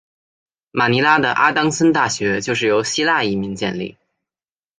马尼拉的阿当森大学就是由希腊移民建立。